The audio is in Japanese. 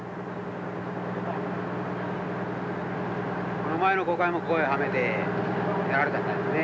この前の航海もここへはめてやられちゃったんですね。